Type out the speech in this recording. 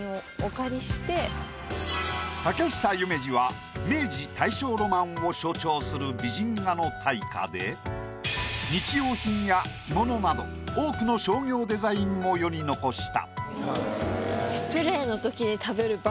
竹久夢二は明治・大正ロマンを象徴する美人画の大家で日用品や着物など多くの商業デザインを世に残した。